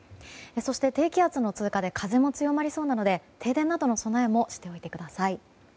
そして、低気圧の通過で風も強まりそうなので停電などの備えもしておいてください。